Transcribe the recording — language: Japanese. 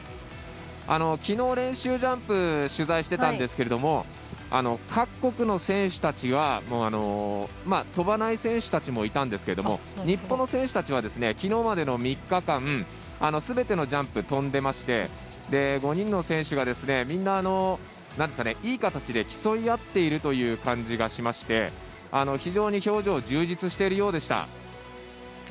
きのう、練習ジャンプ取材してたんですけれども各国の選手たちは飛ばない選手たちもいたんですけど日本の選手たちはきのうまでの３日間すべてのジャンプ飛んでまして５人の選手がみんないい形で競い合っているという感じがしまして非常に表情いいですね。